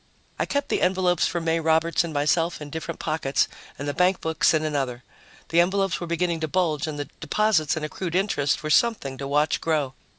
I kept the envelopes for May Roberts and myself in different pockets and the bankbooks in another. The envelopes were beginning to bulge and the deposits and accrued interest were something to watch grow.